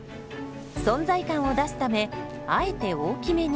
存在感を出すためあえて大きめに。